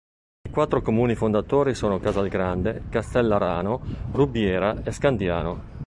I quattro comuni fondatori sono Casalgrande, Castellarano, Rubiera e Scandiano.